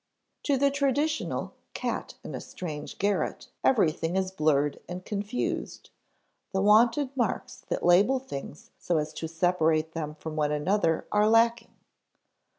To the traditional "cat in a strange garret," everything is blurred and confused; the wonted marks that label things so as to separate them from one another are lacking.